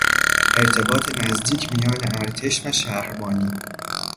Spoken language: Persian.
ارتباط نزدیک میان ارتش و شهربانی